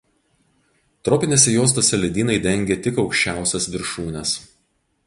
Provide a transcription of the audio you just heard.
Tropinėse juostose ledynai dengia tik aukščiausias viršūnes.